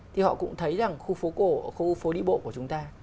thì họ cũng thấy rằng khu phố cổ khu phố đi bộ của chúng ta